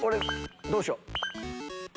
どうしよう？